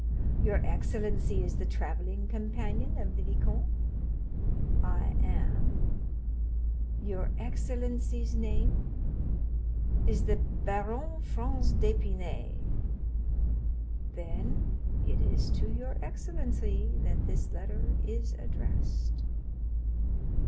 "Your excellency is the travelling companion of the viscount?" "I am." "Your excellency's name——" "Is the Baron Franz d'Épinay." 20199m "Then it is to your excellency that this letter is addressed."